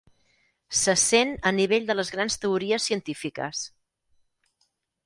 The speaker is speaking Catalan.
Se sent a nivell de les grans teories científiques.